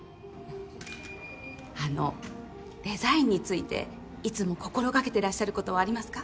あのデザインについていつも心がけてらっしゃることはありますか？